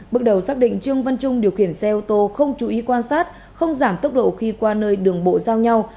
bước đầu xác định trương văn trung điều khiển xe ô tô không chú ý quan sát không giảm tốc độ khi qua nơi đường bộ giao nhau